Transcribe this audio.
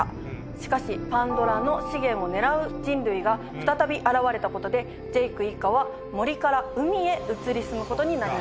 しかしパンドラの資源を狙う人類が再び現れたことでジェイク一家は森から海へ移り住むことになります。